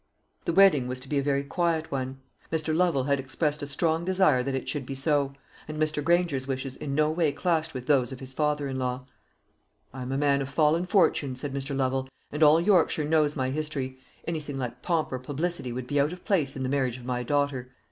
The wedding was to be a very quiet one. Mr. Lovel had expressed a strong desire that it should be so; and Mr. Granger's wishes in no way clashed with those of his father in law. "I am a man of fallen fortunes," said Mr. Lovel, "and all Yorkshire knows my history. Anything like pomp or publicity would be out of place in the marriage of my daughter.